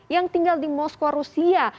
yang tinggal di moskwa rusia